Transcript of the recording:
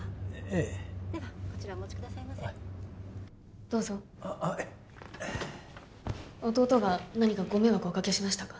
ええではこちらお持ちくださいませどうぞ弟が何かご迷惑をお掛けしましたか？